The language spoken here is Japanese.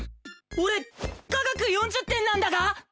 俺化学４０点なんだが！？